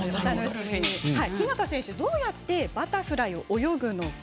日向選手どうやってバタフライを泳ぐのか。